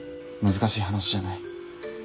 難しい話じゃない。